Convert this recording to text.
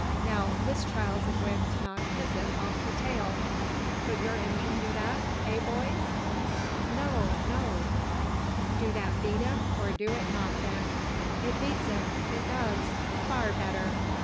Now, this child's a gwine to knock his'n off o' the tail. Kud yur Injun do that? Eh, boyees?" "No, no!" "Do that beat him, or do it not, then?" "It beats him!" "It does!" "Far better!"